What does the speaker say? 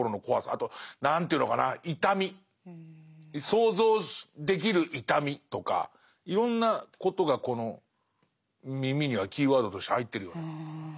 あと何ていうのかな痛み想像できる痛みとかいろんなことがこの耳にはキーワードとして入ってるような。